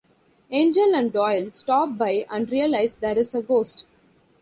Angel and Doyle stop by and realize there is a ghost.